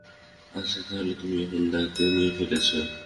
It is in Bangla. আচ্ছা, তাহলে তুমি এখন দায়িত্ব নিয়ে ফেলেছ।